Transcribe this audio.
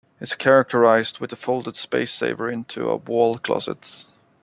It's characterized with the folded space-saver into a wall-closet.